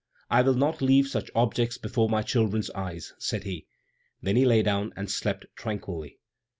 "I will not leave such objects before my children's eyes," said he. Then he lay down and slept tranquilly.